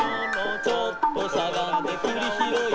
「ちょっとしゃがんでくりひろい」